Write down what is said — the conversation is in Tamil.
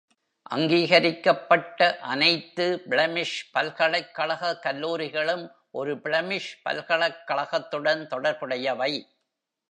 அங்கீகரிக்கப்பட்ட அனைத்து பிளெமிஷ் பல்கலைக்கழக கல்லூரிகளும் ஒரு பிளெமிஷ் பல்கலைக்கழகத்துடன் தொடர்புடையவை.